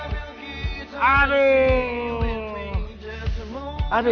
jangan lari lu